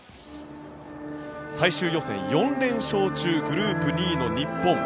最終予選４連勝中グループ２位の日本。